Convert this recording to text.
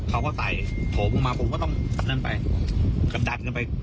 กลับไปกับคนที่มีบอก